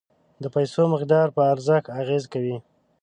د پیسو مقدار په ارزښت اغیز کوي.